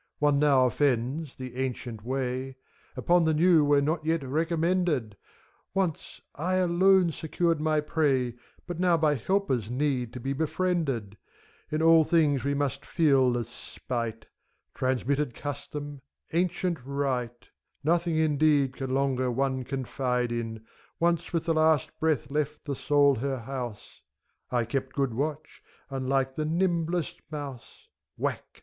One now offends, the ancient way; Upon the new we're not yet recommended : Once, I alone secured my prey, But now by helpers need to be befriended. In all things we must feel the spite! Transmitted custom, ancient right, — Nothing, indeed, can longer one confide in. Once with the last breath left the soul her house ; I kept good watch, and like the nimblest mouse, Whack